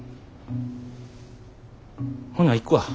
ほな行くわ。